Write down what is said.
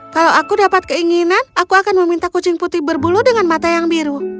kalau aku dapat keinginan aku akan meminta kucing putih berbulu dengan mata yang biru